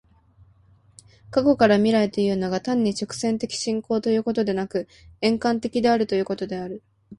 過去から未来へというのが、単に直線的進行ということでなく、円環的であるということである。